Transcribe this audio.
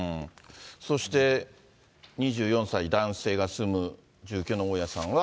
そして２４歳男性が住む住居の大家さんは。